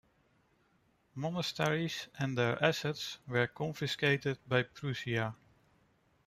Monasteries and their assets were confiscated by Prussia.